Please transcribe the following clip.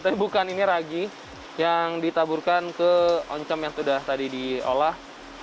tapi bukan ini ragi yang ditaburkan ke oncom yang sudah tadi diolah